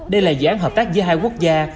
đây là dự án hợp tác giữa hai quốc gia